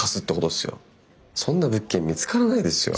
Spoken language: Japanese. そんな物件見つからないですよ。